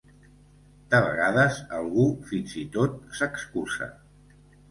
De vegades algun fins i tot s'excusa.